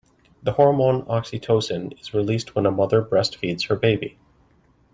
The hormone oxytocin is released when a mother breastfeeds her baby.